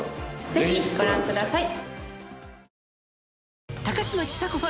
ぜひご覧ください。